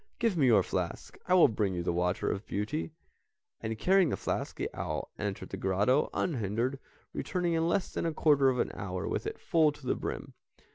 Give me your flask. I will bring you the water of beauty." And carrying the flask, the owl entered the grotto, unhindered, returning in less than a quarter of an hour with it full to the brim.